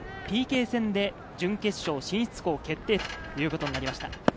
ＰＫ戦で準決勝進出校を決定ということになりました。